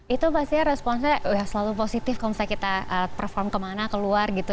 itu pasti responnya selalu positif kalau misalnya kita perform kemana keluar gitu